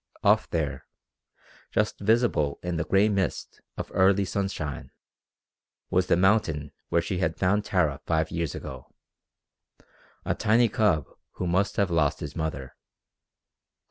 Off there, just visible in the gray mist of early sunshine, was the mountain where she had found Tara five years ago a tiny cub who must have lost his mother.